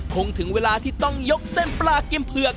ถึงเวลาที่ต้องยกเส้นปลากิมเผือก